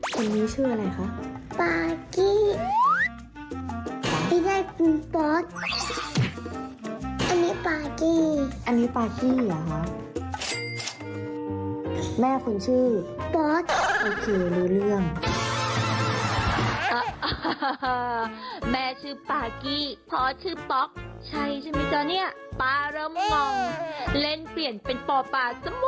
คนนี้ชื่ออะไรคะ